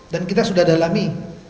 dan kita sudah dalami